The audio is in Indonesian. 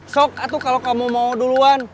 sok aduh kalau kamu mau duluan